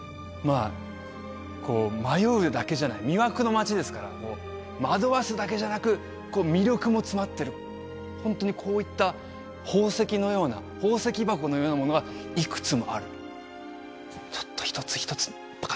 あこう迷うだけじゃない魅惑の街ですから惑わすだけじゃなく魅力も詰まってるホントにこういった宝石のような宝石箱のようなものがいくつもあるちょっと一つ一つパカ